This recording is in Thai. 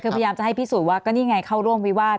คือพยายามจะให้พิสูจน์ว่าก็นี่ไงเข้าร่วมวิวาส